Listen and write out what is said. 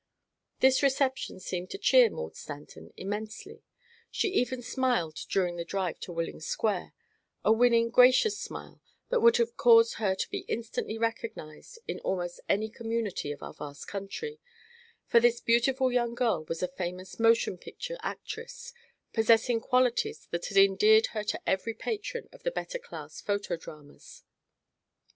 This reception seemed to cheer Maud Stanton immensely. She even smiled during the drive to Willing Square a winning, gracious smile that would have caused her to be instantly recognized in almost any community of our vast country; for this beautiful young girl was a famous motion picture actress, possessing qualities that had endeared her to every patron of the better class photo dramas.